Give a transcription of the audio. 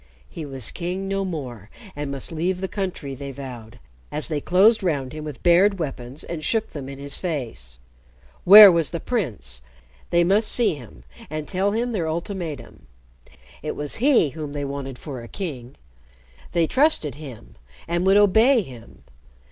He was king no more, and must leave the country, they vowed, as they closed round him with bared weapons and shook them in his face. Where was the prince? They must see him and tell him their ultimatum. It was he whom they wanted for a king. They trusted him and would obey him.